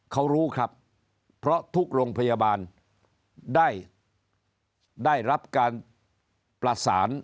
เขารู้ครับเพราะทุกโรงพยาบาลได้รับการประสาน